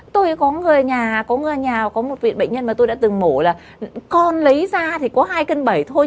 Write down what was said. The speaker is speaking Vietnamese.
tôi có người nhà có người nhà có một viện bệnh nhân mà tôi đã từng mổ là con lấy ra thì có hai cân bảy thôi